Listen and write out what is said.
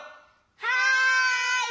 はい！